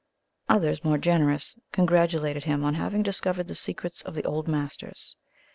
Others, more generous, congratulated him on having discovered the secrets of the old masters.